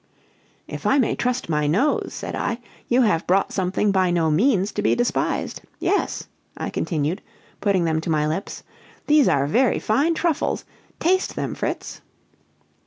"If I may trust my nose," said I, "you have brought something by no means to be despised. Yes!" I continued, putting them to my lips, "these are very fine truffles! Taste them, Fritz."